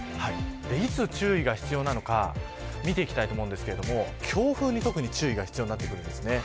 いつ注意が必要なのか見ていきたいと思うんですが強風に特に注意が必要になってきます。